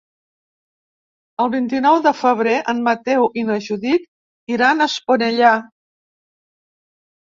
El vint-i-nou de febrer en Mateu i na Judit iran a Esponellà.